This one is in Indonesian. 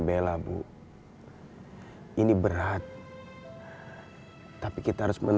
tapi mulaibait hati nilainya